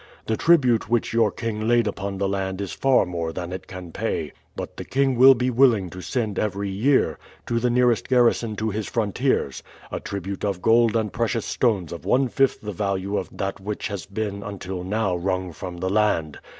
The tribute which your king laid upon the land is far more than it can pay, but the king will be willing to send every year, to the nearest garrison to his frontiers, a tribute of gold and precious stones of one fifth the value of that which has been until now wrung from the land.